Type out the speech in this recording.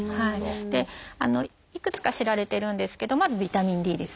でいくつか知られてるんですけどまずビタミンＤですね。